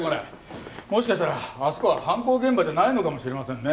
もしかしたらあそこは犯行現場じゃないのかもしれませんね。